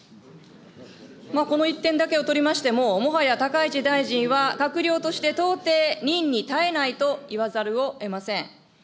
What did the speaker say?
この一点だけを取りましても、もはや高市大臣は閣僚として到底、任に堪えないといわざるをえません。